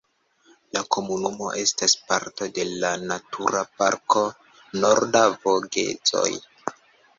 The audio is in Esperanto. La komunumo estas parto de la Natura Parko Nordaj Vogezoj.